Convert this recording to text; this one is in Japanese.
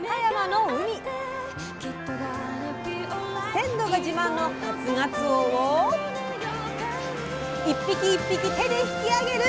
鮮度が自慢の初がつおを一匹一匹手で引き揚げる